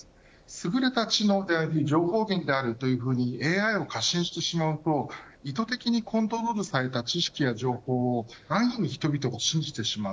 すぐれた知能であり情報源であるというふうにＡＩを過信してしまうと意図的にコントロールされた知識や情報を安易に人々が信じてしまう。